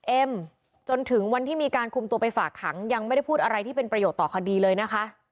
เอ็มจนถึงวันที่มีการคุมตัวไปฝากขังยังไม่ได้พูดอะไรที่เป็นประโยชน์ต่อคดีเลยนะคะ